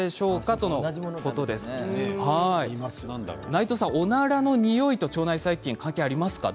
内藤さん、おならのにおいと腸内細菌、関係ありますか？